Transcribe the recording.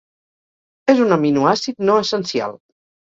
És un aminoàcid no essencial.